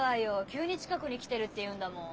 急に「近くに来てる」って言うんだもん。